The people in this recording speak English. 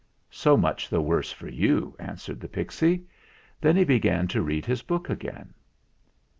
"So much the worse for you," answered the pixy. Then he began to read his book again.